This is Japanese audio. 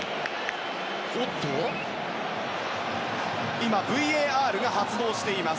今、ＶＡＲが発動しています。